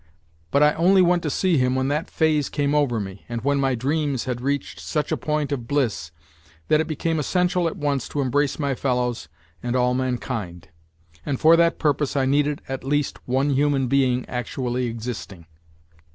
But I only went to see him when that phase came over me, and when my dreams had reached such a point of bliss that it became essential at once to embrace my fellows and all man kind ; and for that purpose I needed, at least, one human being, actually existing.